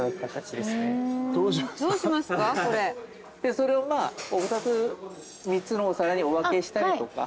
それをまあ３つのお皿にお分けしたりとか。